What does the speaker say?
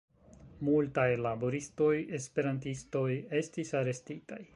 Multaj laboristoj-esperantistoj estis arestitaj.